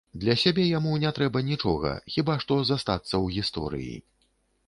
Для сябе яму не трэба нічога, хіба што застацца ў гісторыі.